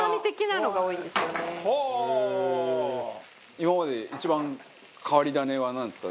今までで一番、変わり種はなんですか？